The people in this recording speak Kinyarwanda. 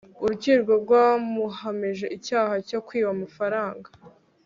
urukiko rwamuhamije icyaha cyo kwiba amafaranga